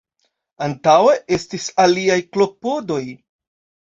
Antaŭe estis aliaj klopodoj.